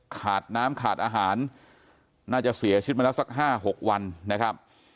ขาดน้ำขาดอาหารน่าจะเสียชีวิตมาแล้วสัก๕๖วันนะครับ